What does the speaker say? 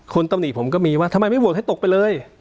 คุณต้อน่ีผมก็มีว่าทำไมในบวกให้ตกไปเลย